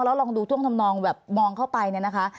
แล้วลองดูท่วงทำนองแบบมองเข้าไปเนี่ยนะคะ